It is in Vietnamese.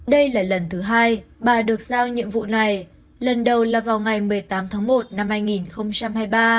đây là lần thứ hai bà được giao nhiệm vụ này lần đầu là vào ngày một mươi tám tháng một năm hai nghìn hai mươi ba